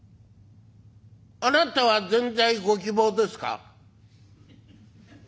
「あなたはぜんざいご希望ですか？」。